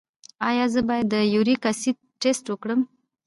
ایا زه باید د یوریک اسید ټسټ وکړم؟